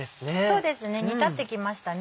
そうですね煮立ってきましたね。